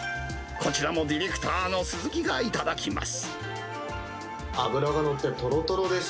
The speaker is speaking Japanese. こちらもディレクターのすずきが頂きます。